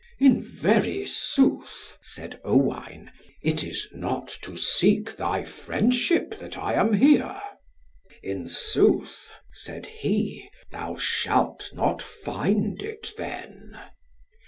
"In very sooth," said Owain, "it is not to seek thy friendship that I am here." "In sooth," said he, "thou shalt not find it then."